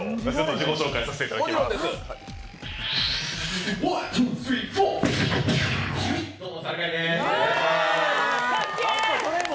自己紹介させていただいても？